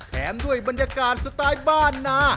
แถมด้วยบรรยากาศสไตล์บ้านนา